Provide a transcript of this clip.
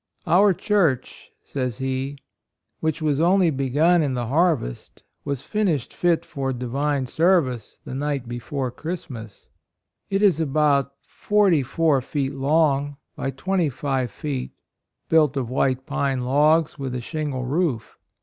"Our Church," says he, "which was only begun in the harvest, was finished fit for divine service the night before Christmas. It is about forty four feet long by 52 MISSIONARY CAREER twenty five feet, built of white pine logs with a shingle roof.